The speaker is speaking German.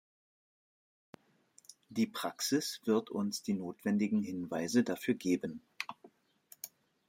Die Praxis wird uns die notwendigen Hinweise dafür geben.